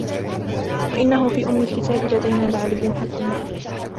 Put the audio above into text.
وإنه في أم الكتاب لدينا لعلي حكيم